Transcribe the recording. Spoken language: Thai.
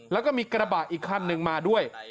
แล้วก็มีกระบะอีกคันหนึ่งมาด้วย